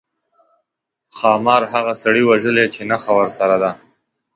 ښامار هغه سړي وژلی چې نخښه ورسره ده.